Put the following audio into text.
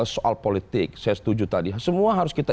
soal politik saya setuju tadi semua harus kita